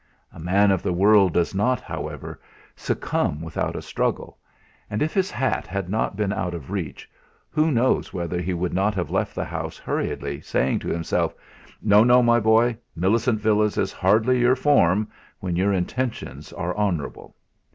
A man of the world does not, however, succumb without a struggle; and if his hat had not been out of reach, who knows whether he would not have left the house hurriedly, saying to himself: "No, no, my boy; Millicent Villas is hardly your form, when your intentions are honourable"?